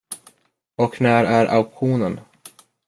Och när är auktionen?